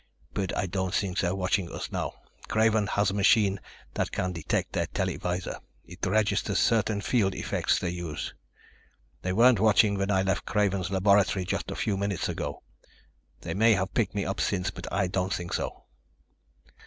But I don't think they're watching us now. Craven has a machine that can detect their televisor. It registers certain field effects they use. They weren't watching when I left Craven's laboratory just a few minutes ago. They may have picked me up since, but I don't think so."